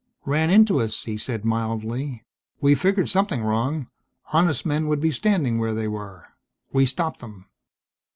"Ran into us," he said mildly. "We figured something wrong honest men would be standing where they were. We stopped them."